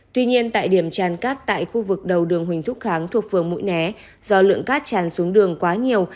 tuy nhiên tại điểm tràn cát tại khu vực đầu đường huỳnh thúc kháng thuộc phường mũi né do lượng cát tràn xuống đường quá nhiều